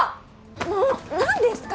もう何ですか？